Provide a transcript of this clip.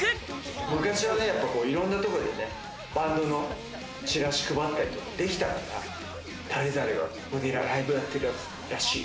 昔はいろんなとこでね、バンドのチラシ配ったりできたから、誰々がここでライブやってるらしい。